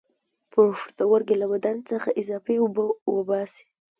پښتورګي له بدن څخه اضافي اوبه وباسي